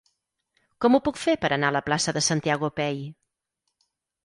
Com ho puc fer per anar a la plaça de Santiago Pey?